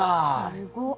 すごっ！